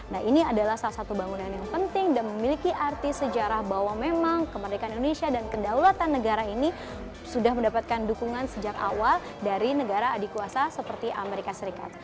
nah ini adalah salah satu bangunan yang penting dan memiliki arti sejarah bahwa memang kemerdekaan indonesia dan kedaulatan negara ini sudah mendapatkan dukungan sejak awal dari negara adik kuasa seperti amerika serikat